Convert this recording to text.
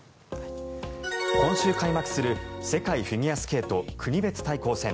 今週開幕する世界フィギュアスケート国別対抗戦。